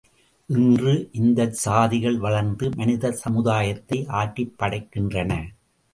இன்று இந்தச் சாதிகள் வளர்ந்து மனித சமுதாயத்தை ஆட்டிப்படைக்கின்றன.